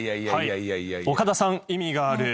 岡田さん意味がある。